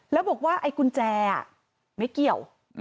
แล้วบอกว่าไอ้กุญแจไม่เกี่ยว